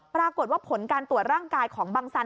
ปรากฏว่าผลการตรวจร่างกายของบังสัน